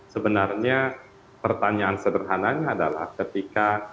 sebenarnya pertanyaan sederhananya adalah ketika